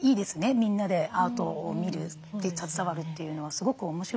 みんなでアートを見る携わるというのはすごく面白かったです。